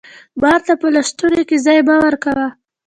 مار ته په لستوڼي کښي ځای مه ورکوه